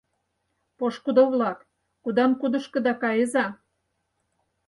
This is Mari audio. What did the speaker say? Пошкудо-влак, кудан-кудышкыда кайыза!